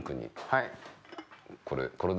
はい。